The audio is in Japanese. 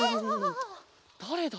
だれだ？